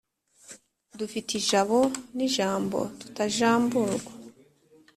dufite ijabo n’ijambo tutajamburwa